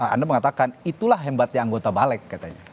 anda mengatakan itulah hebatnya anggota balik katanya